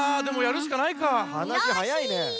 でもやるしかないか。はなしはやいね。